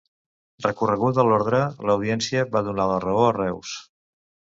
Recorreguda l'ordre, l'Audiència va donar la raó a Reus.